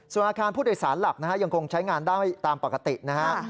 ส่วนอาคารผู้โดยสารหลักนะฮะยังคงใช้งานได้ตามปกตินะฮะ